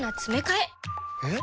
えっ？